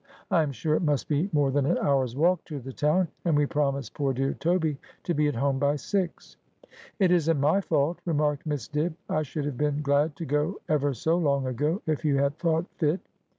I am sure it must be more than an hour's walk to the town, and we promised poor dear Toby to be home by six.' ' It isn't my fault,' remarked Miss Dibb ;' I should have been glad to go ever so long ago, if you had thought fit.'